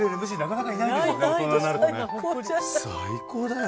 最高だよ。